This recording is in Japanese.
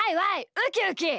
ウキウキ！